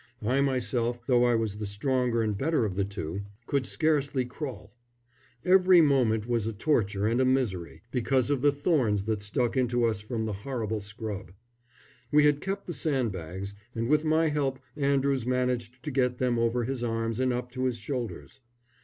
I myself, though I was the stronger and better of the two, could scarcely crawl. Every movement was a torture and a misery, because of the thorns that stuck into us from the horrible scrub. We had kept the sandbags, and with my help Andrews managed to get them over his arms and up to his shoulders.